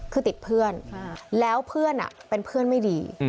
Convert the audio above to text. คือติดเพื่อนแล้วเพื่อนเป็นเพื่อนไม่ดี